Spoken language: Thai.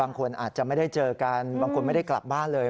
บางคนอาจจะไม่ได้เจอกันบางคนไม่ได้กลับบ้านเลย